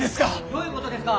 ・どういうことですか。